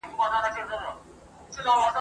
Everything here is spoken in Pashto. قصیده چي مي لیکل پر انارګلو !.